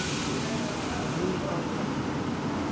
ھلَ ھتان ڪان